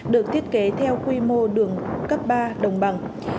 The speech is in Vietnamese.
được thiết kế theo quy mô đường cấp ba đồng bằng